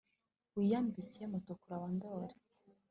wiyambike mutukura wa ndoli,